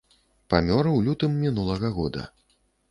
Памёр у лютым мінулага года.